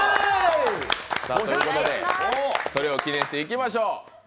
ということで、それを記念していきましょう。